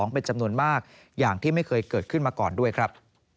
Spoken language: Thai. เป็นจำนวนมากอย่างที่ไม่เคยเกิดขึ้นมาก่อนด้วยครับ